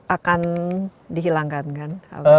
akan dihilangkan kan